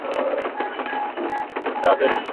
মাদ্রাজে ফিরে গেলে, তুই আবার আগের মতো হয়ে যাবি।